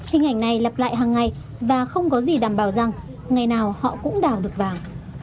hình ảnh này lặp lại hàng ngày và không có gì đảm bảo rằng ngày nào họ cũng đào được vàng